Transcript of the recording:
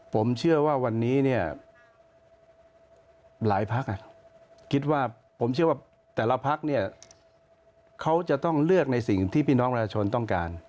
ผมเชื่อว่าวันนี้เนี่ยหลายพักคิดว่าผมเชื่อว่าแต่ละพักเนี่ยเขาจะต้องเลือกในสิ่งที่พี่น้องประชาชนต้องการ